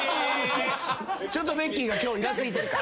ちょっとベッキーが今日イラついてるか。